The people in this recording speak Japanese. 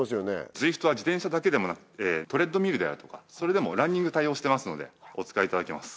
ズイフトは自転車だけでなくトレッドミルであるとかそれでもランニング対応してますのでお使いいただけます